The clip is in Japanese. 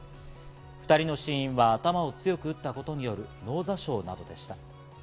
２人の死因は頭を強く打ったことによる脳挫傷などでした。